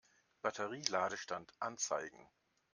Batterie-Ladestand anzeigen.